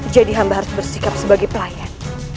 jadi hamba harus bersikap sebagai pelayan